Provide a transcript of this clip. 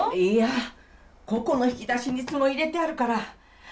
いやここの引き出しにいつも入れてあるから。